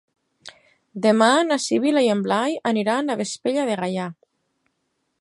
Demà na Sibil·la i en Blai iran a Vespella de Gaià.